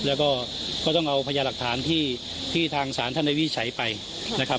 แล้วก็ก็ต้องเอาพญาหลักฐานที่ทางศาลท่านได้วิจัยไปนะครับ